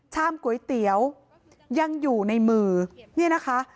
ก๋วยเตี๋ยวยังอยู่ในมือเนี่ยนะคะ